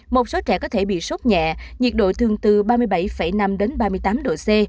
một số trẻ có thể bị sốc nhẹ nhiệt độ thường từ ba mươi bảy năm đến ba mươi tám độ c